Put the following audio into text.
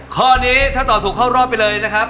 ข้อนี้ถ้าตอบถูกเข้ารอบไปเลยนะครับ